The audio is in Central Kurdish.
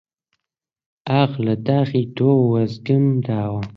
ئاخ لە داخی تۆ وەزگم داوە!